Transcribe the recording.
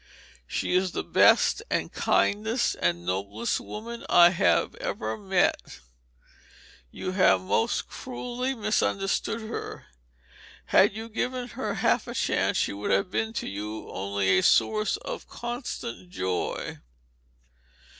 She is the best and kindest and noblest woman I ever have met. You have most cruelly misunderstood her. Had you given her half a chance she would have been to you only a source of constant joy."